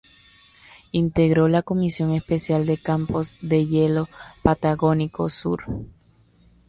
Integró la Comisión Especial de Campos de Hielo Patagónico Sur.